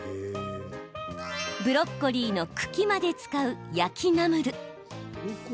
ブロッコリーの茎まで使う焼きナムル。